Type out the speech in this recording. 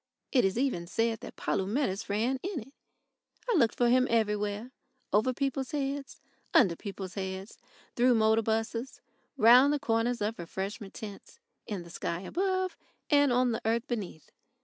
It is even said that Polumetis ran in it. I looked for him everywhere over people's heads, under people's heads, through motor buses, round the corners of refreshment tents, in the sky above, and on the earth beneath.